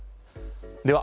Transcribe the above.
では